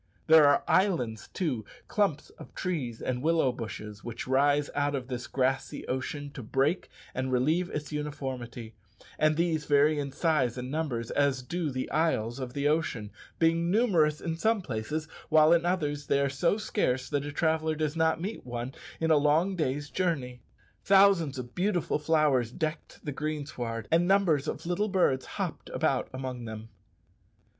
There are islands, too clumps of trees and willow bushes which rise out of this grassy ocean to break and relieve its uniformity; and these vary in size and numbers as do the isles of ocean, being numerous in some places, while in others they are so scarce that the traveller does not meet one in a long day's journey. Thousands of beautiful flowers decked the greensward, and numbers of little birds hopped about among them.